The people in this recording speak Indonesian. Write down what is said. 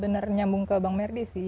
benar nyambung ke bang merdi sih